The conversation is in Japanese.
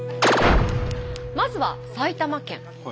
まずは埼玉県。